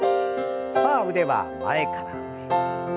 さあ腕は前から上へ。